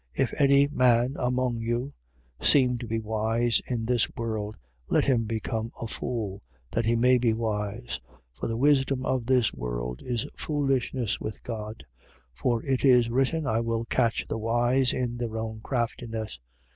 If any man among you seem to be wise in this world, let him become a fool, that he may be wise. 3:19. For the wisdom of this world is foolishness with God. For it is written: I will catch the wise in their own craftiness.